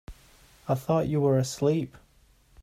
I thought you were asleep.